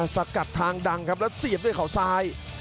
สกัดทางดังครับแล้วเสียบด้วยเขาซ้าย